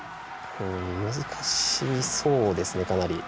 難しそうですね、かなり。